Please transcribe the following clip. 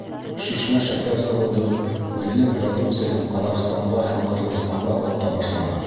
Шишмә шәкәр заводы үҙенең продукцияһын Ҡаҙағстанға һәм Ҡырғыҙстанға оҙата башланы.